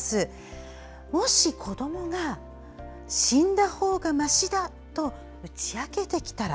もし、子どもが死んだほうがましだと打ち明けてきたら。